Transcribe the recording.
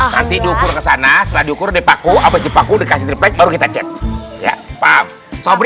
nanti diukur kesana selalu kode paku habis dipaku dikasih terbaik baru kita cek ya paham